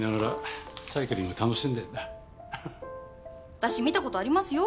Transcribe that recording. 私見た事ありますよ。